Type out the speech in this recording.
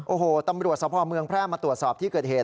โอ้โหตำรวจสภเมืองแพร่มาตรวจสอบที่เกิดเหตุ